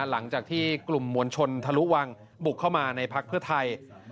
หลังจากที่กลุ่มมวลชนทะลุวังบุกเข้ามาในพักเพื่อไทย